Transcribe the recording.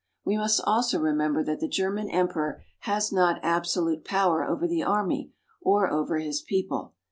We must also remember that the German emperor has not absolute power over the army, or over his people.